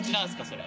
それ。